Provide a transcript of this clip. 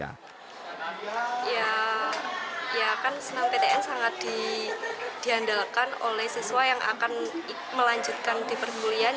ya kan snmptn sangat diandalkan oleh siswa yang akan melanjutkan di permulian